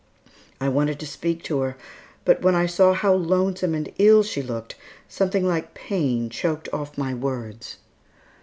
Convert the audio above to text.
I wanted to speak to her, but when I saw how lonesome and ill she looked, something like pain choked off my words.